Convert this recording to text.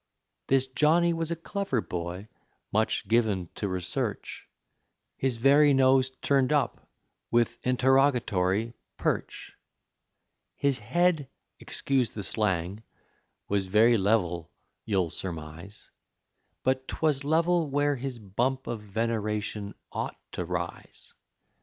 This Johnny was a clever boy, much given to research, His very nose turned up, with interrogatory perch; His head excuse the slang was very level, you'll surmise, But 'twas level where his bump of veneration ought to rise.